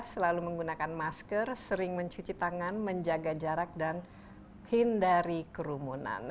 selalu menggunakan masker sering mencuci tangan menjaga jarak dan hindari kerumunan